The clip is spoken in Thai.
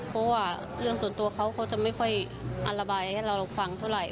เพราะว่าเรื่องส่วนตัวเขาเขาจะไม่ค่อยอธิบายให้เราฟังเท่าไหร